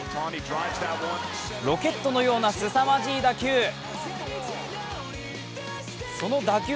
ロケットのようなすさまじい打球。